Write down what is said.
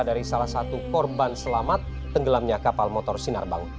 dari salah satu korban selamat tenggelamnya kapal motor sinarbang